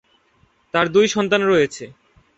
তার দুই সন্তান রয়েছে।